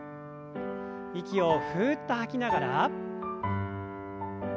息をふっと吐きながら。